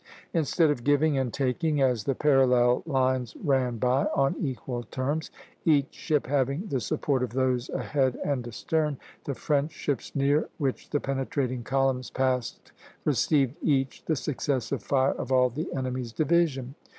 Instead of giving and taking, as the parallel lines ran by, on equal terms, each ship having the support of those ahead and astern, the French ships near which the penetrating columns passed received each the successive fire of all the enemy's division.